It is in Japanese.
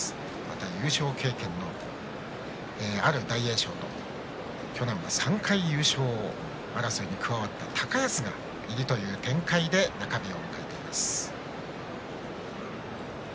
優勝経験のある大栄翔去年３回優勝争いに加わった高安がいるという展開で中日を迎えています。